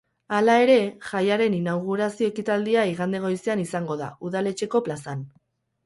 Hala ere, jaiaren inaugurazio ekitaldia igande goizean izango da, udaletxeko plazan.